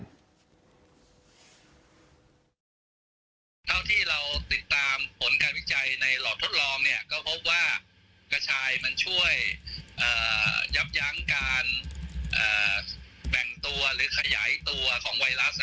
เท่าที่เราติดตามผลการวิจัยในหลอดทดลองก็พบว่ากระชายมันช่วยยับยั้งการแบ่งตัวหรือขยายตัวของไวรัส